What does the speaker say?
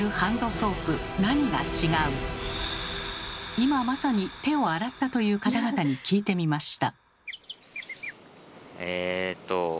今まさに手を洗ったという方々に聞いてみました。